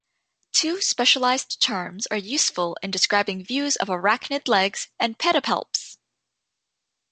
Two specialized terms are useful in describing views of arachnid legs and pedipalps.